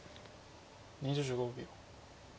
２５秒。